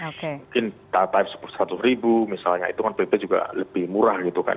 mungkin tarif rp sebelas misalnya itu kan lebih murah gitu kan